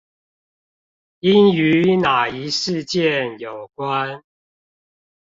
應與那一事件有關？